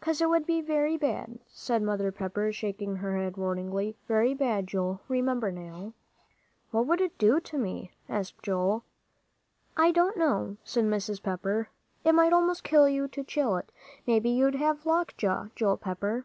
"'Cause it would be very bad," said Mother Pepper, shaking her head warningly, "very bad, Joel. Remember, now." "What would it do to me?" asked Joel. "I don't know," said Mrs. Pepper; "it might almost kill you to chill it. Maybe you'd have lockjaw, Joel Pepper."